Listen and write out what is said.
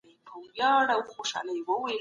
که څېړنه د اړتیا له مخې وي ګټوره تماميږي.